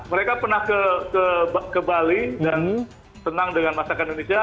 mereka pernah ke bali dan senang dengan masakan indonesia